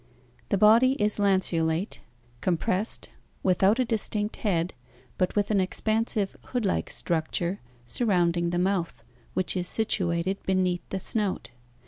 — The body is lanceolate, compressed, without a distinct head, but with an expansive hood like structure surrounding the mouth, which is situated beneath the snout.